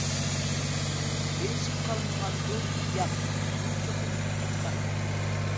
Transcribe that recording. ئېلىشىپ قالمىغاندۇ؟ ياق، بۇ چوقۇم چاقچاق.